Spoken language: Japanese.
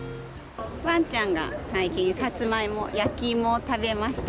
ワンちゃんが最近、さつまいも、焼き芋を食べました。